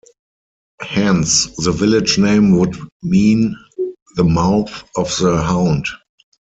Hence the village name would mean "The Mouth of the Hound".